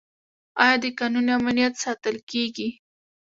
آیا د کانونو امنیت ساتل کیږي؟